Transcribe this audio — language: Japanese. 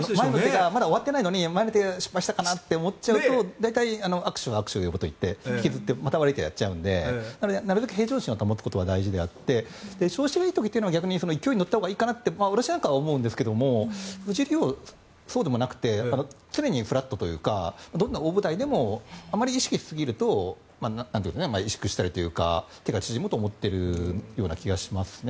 まだ終わってないのに、前の手で失敗したかなと思っちゃうと大体、悪手、悪手といって引きずって悪い手をやっちゃうのでなるべく平常心を保つことが大事であって調子がいい時は逆に勢いに乗ったほうがいいかなって私なんかは思うんですけど藤井竜王はそうでもなくて常にフラットというかどんな大舞台でもあまり意識しすぎると萎縮したりというか手が縮むと思ってるような気がしますね。